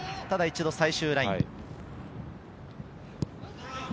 ただ、一度最終ライン。